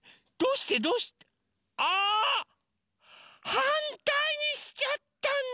はんたいにしちゃったんだ！